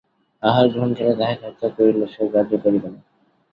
আহার-গ্রহণকালে তাহাকে হত্যা করিলেও সে গ্রাহ্য করিবে না।